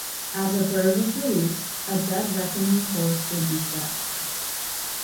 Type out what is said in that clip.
As a bird was released, a dead reckoning course would be set.